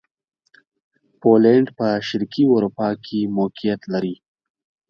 پولېنډ په شرقي اروپا کښې موقعیت لري.